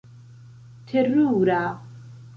terura